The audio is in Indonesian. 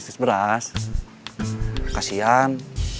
untuk membangun diri